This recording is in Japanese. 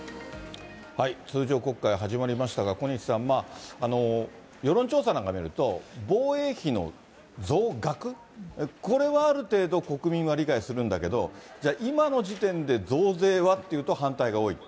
通常国会が始まりましたが、小西さん、世論調査なんか見ると、防衛費の増額、これはある程度、国民は理解するんだけど、じゃあ、今の時点で増税はっていうと反対が多いと。